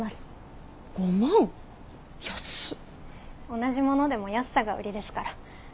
同じものでも安さが売りですから。